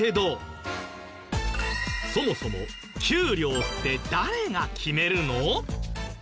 そもそも給料って誰が決めるの？